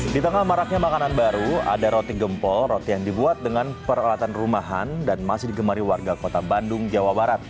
di tengah maraknya makanan baru ada roti gempol roti yang dibuat dengan peralatan rumahan dan masih digemari warga kota bandung jawa barat